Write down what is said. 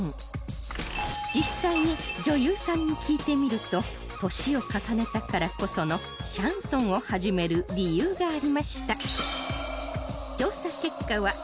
実際に女優さんに聞いてみると年を重ねたからこそのシャンソンを始める理由がありました